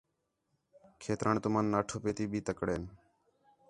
کھیتران تُمن نا ٹھوپے تے بھی تکڑین